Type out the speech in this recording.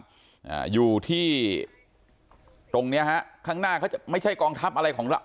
อ่าอยู่ที่ตรงเนี้ยฮะข้างหน้าเขาจะไม่ใช่กองทัพอะไรของเรา